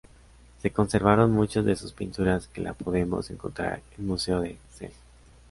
Se conservaron muchos de sus pinturas que las podemos encontrar en Museo de Celje.